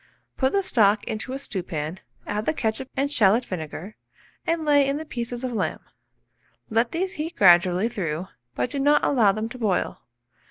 Put the stock into a stewpan, add the ketchup and shalot vinegar, and lay in the pieces of lamb. Let these heat gradually through, but do not allow them to boil.